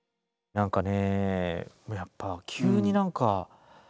何かね